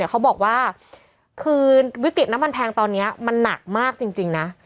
เขาบอกว่าคือวิกฤตน้ำมันแพงตอนนี้มันหนักมากจริงนะ